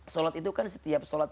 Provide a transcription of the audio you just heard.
sholat itu kan setiap sholat